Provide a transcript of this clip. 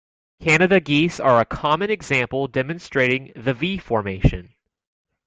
Canada geese are a common example demonstrating the V formation.